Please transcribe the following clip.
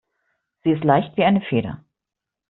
Sie ist leicht wie eine Feder.